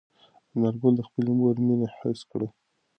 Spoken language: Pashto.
انارګل د خپلې مور مینه حس کړه.